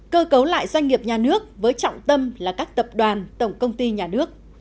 cơ cấu lại doanh nghiệp nhà nước với trọng tâm là các tập đoàn tổng công ty nhà nước